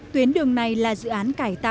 tuyến đường này là dự án của bộ tổng thống